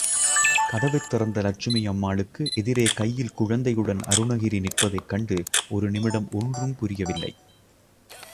கதவைத் திறந்த லட்சுமி அம்மாளுக்கு எதிரே கையில் குழந்தையுடன் அருணகிரி நிற்பதைக் கண்டு ஒரு நிமிடம் ஒன்றும் புரியவில்லை.